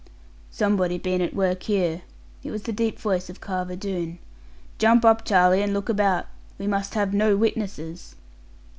'Somebody been at work here ' it was the deep voice of Carver Doone; 'jump up, Charlie, and look about; we must have no witnesses.'